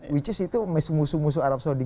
which is itu mes musuh musuh arab saudi